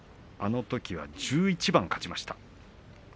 あのときは１１番勝ちました。